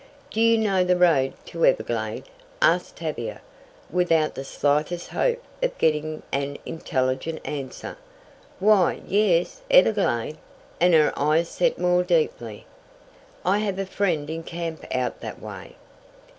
"Do you know the road to Everglade?" asked Tavia, without the slightest hope of getting an intelligent answer. "Why, yes; Everglade?" and her eyes set more deeply. "I have a friend in camp out that way."